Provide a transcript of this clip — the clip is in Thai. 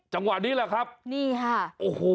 จังหวะนี้แหละครับนี่ค่ะโอ้โห